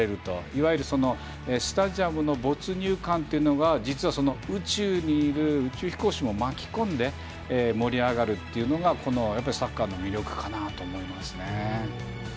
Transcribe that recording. いわゆるスタジアムの没入感というのが実は、宇宙にいる宇宙飛行士も巻き込んで盛り上がるというのがサッカーの魅力かなと思います。